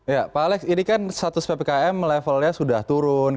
ya pak alex ini kan status ppkm levelnya sudah turun